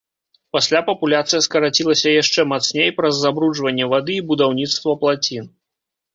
Пасля папуляцыя скарацілася яшчэ мацней праз забруджванне вады і будаўніцтва плацін.